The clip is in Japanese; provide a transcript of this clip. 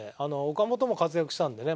岡本も活躍したんでね